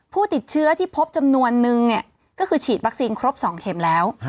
ผู้ติดเชื้อที่พบจำนวนนึงเนี่ยก็คือฉีดวัคซีนครบ๒เข็มแล้ว